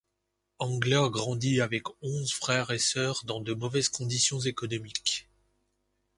Engler grandit avec onze frères et sœurs dans de mauvaises conditions économiques.